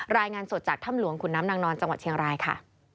รายงานสดจากถ้ำหลวงขุนน้ำนางนอนจังหวัดเชียงรายค่ะ